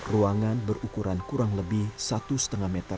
ruangan berukuran kurang lebih satu lima meter